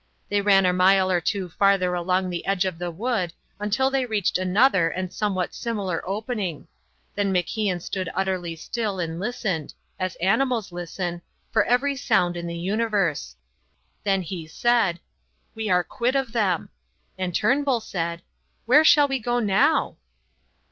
They ran a mile or two farther along the edge of the wood until they reached another and somewhat similar opening. Then MacIan stood utterly still and listened, as animals listen, for every sound in the universe. Then he said: "We are quit of them." And Turnbull said: "Where shall we go now?"